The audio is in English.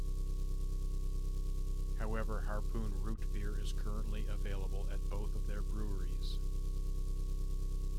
However, Harpoon root beer is currently available at both of their breweries.